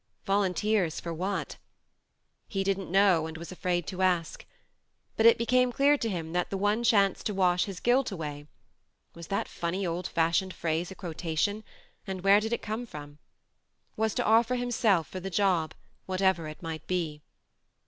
Volunteers for what ? He didn't know and was afraid to ask. But it became clear to him that the one chance to wash his guilt away (was that funny old fashioned phrase a quotation, and where did it come from ?) was to offer himself for the job, whatever it might be.